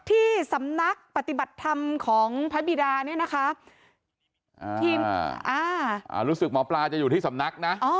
ที่สำนักปฏิบัติธรรมของพระบิดาเนี่ยนะคะทีมรู้สึกหมอปลาจะอยู่ที่สำนักนะ